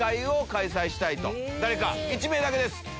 誰か１名だけです。